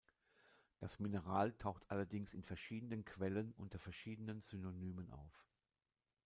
Das Mineral taucht allerdings in verschiedenen Quellen unter verschiedenen Synonymen auf.